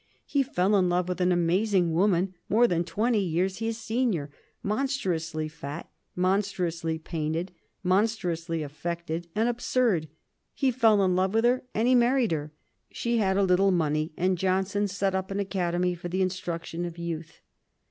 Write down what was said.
He fell in love with an amazing woman more than twenty years his senior, monstrously fat, monstrously painted, monstrously affected and absurd; he fell in love with her, and he married her. She had a little money, and Johnson set up an academy for the instruction of youth.